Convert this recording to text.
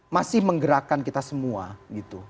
masih menggerakkan kita semua gitu